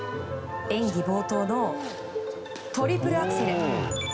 演技冒頭のトリプルアクセル。